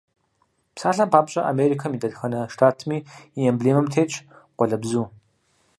Псалъэм папщӀэ, Америкэм и дэтхэнэ штатми и эмблемэм тетщ къуалэбзу.